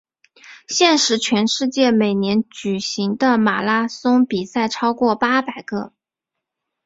现时全世界每年举行的马拉松比赛超过八百个。